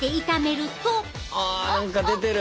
あ何か出てる！